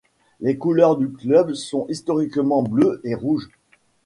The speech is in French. Les couleurs du club sont historiquement Bleu et Rouge.